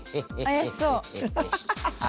怪しそう。